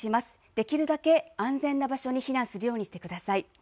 できるだけ安全な場所に避難するようにしてください。